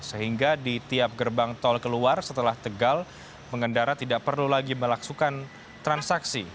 sehingga di tiap gerbang tol keluar setelah tegal pengendara tidak perlu lagi melaksukan transaksi